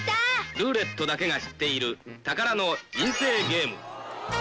ルーレットだけが知っているタカラの人生ゲーム